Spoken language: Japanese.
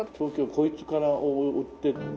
こいつから追っていって。